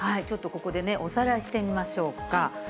ちょっとここでおさらいしてみましょうか。